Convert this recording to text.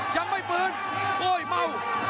ยังไม่ฟื้นโอ้ยเมา